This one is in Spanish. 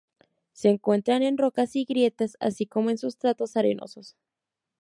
Se encuentran en rocas y grietas, así como en sustratos arenosos.